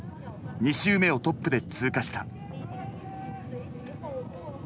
２周目をトップで通過した。